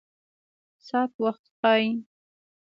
ساعت وخت ښيي